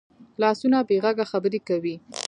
لاسونه بې غږه خبرې کوي